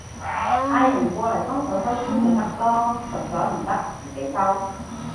嗌人過嚟幫手收屍咪得囉，實在唔得自己收